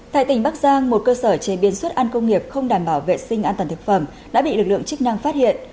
tại tỉnh bắc giang một cơ sở chế biến xuất ăn công nghiệp không đảm bảo vệ sinh an toàn thực phẩm đã bị lực lượng chức năng phát hiện